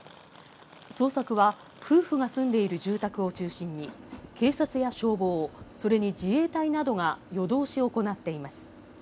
捜索は夫婦が住んでいる住宅を中心に、警察や消防、それに自衛隊などが夜通し行っています。